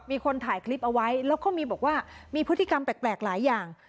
มีคนถ่ายคลิปเอาไว้แล้วก็มีบอกว่ามีพฤติกรรมแปลกหลายอย่าง